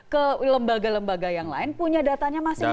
ke lembaga lembaga yang lain punya datanya masing masing